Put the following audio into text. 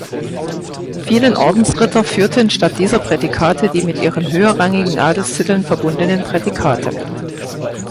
Vielen Ordensritter führten statt dieser Prädikate die mit ihren höherrangigen Adelstiteln verbundenen Prädikate.